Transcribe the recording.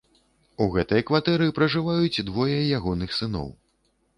У гэтай кватэры пражываюць двое ягоных сыноў.